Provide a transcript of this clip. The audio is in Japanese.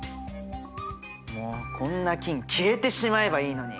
もうこんな菌消えてしまえばいいのに！